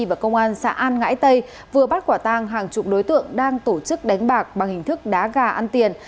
và công an xã an ngãi tây vừa bắt quả tang hàng chục đối tượng đang tổ chức đánh bạc bằng hình thức đá gà ăn tiền